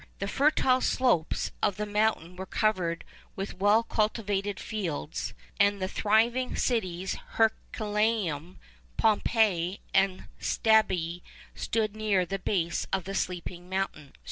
The fertile slopes of the mountain were covered with well cultivated fields, and the thriving cities Herculaneum, Pompeii, and Stabiæ stood near the base of the sleeping mountain.